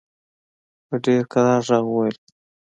په ډېر کرار ږغ وویل.